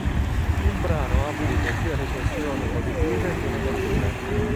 Il brano ha avuto sia recensioni positive che negative.